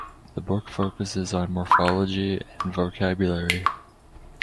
The book focuses on morphology and vocabulary.